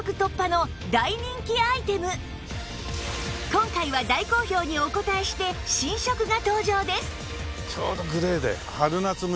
今回は大好評にお応えして新色が登場です！